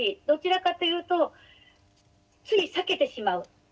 どちらかというとつい避けてしまう。